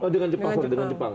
dengan jepang dengan jepang